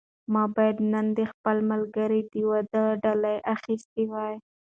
ما باید نن د خپل ملګري د واده ډالۍ اخیستې وای.